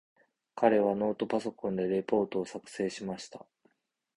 彼はノートパソコンでレポートを作成しました。